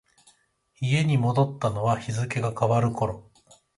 家に戻ったのは日付が変わる頃。